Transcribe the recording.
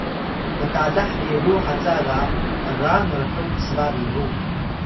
mtalah biru haca ga ’ra mrhuw-psba-biru